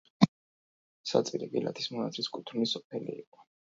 საწირე გელათის მონასტრის კუთვნილი სოფელი იყო.